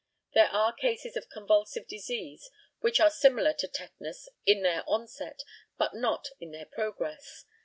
There are cases of convulsive disease which are similar to tetanus in their onset, but not in their progress.